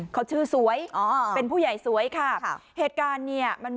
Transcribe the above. เขาชื่อฮอเป็นผู้ใหญ่สวย